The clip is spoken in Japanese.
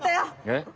えっ？